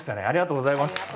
ありがとうございます。